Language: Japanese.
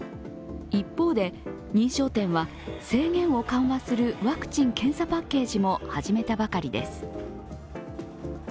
一方で、認証店は制限を緩和するワクチン・検査パッケージも始めたばかりです。